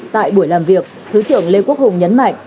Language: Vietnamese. tại buổi làm việc thứ trưởng lê quốc hùng nhấn mạnh